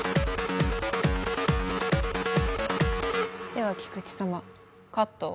では菊地さまカットを。